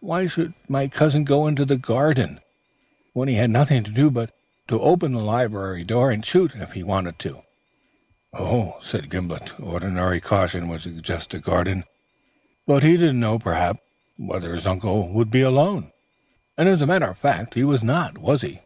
Why should my cousin go into the garden, when he had nothing to do but to open the library door and shoot, if he wanted to?" "Oh," said Gimblet, "ordinary caution would suggest the garden. He did not know perhaps, whether his uncle would be alone; and as a matter of fact, he was not, was he?"